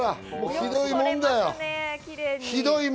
ひどいもんだよ！